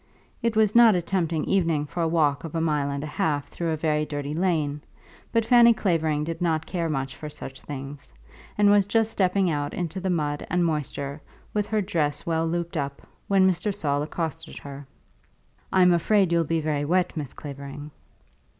It was not a tempting evening for a walk of a mile and a half through a very dirty lane; but Fanny Clavering did not care much for such things, and was just stepping out into the mud and moisture, with her dress well looped up, when Mr. Saul accosted her. "I'm afraid you'll be very wet, Miss Clavering."